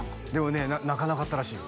ね泣かなかったらしいよ